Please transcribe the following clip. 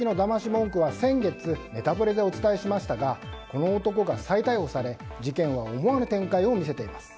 文句は先月ネタプレでお伝えしましたがこの男が再逮捕され事件は思わぬ展開を見せています。